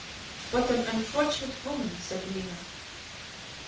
"What an unfortunate woman!" said Lina.